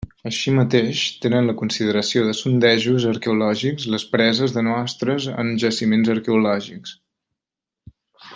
Així mateix, tenen la consideració de sondejos arqueològics les preses de mostres en jaciments arqueològics.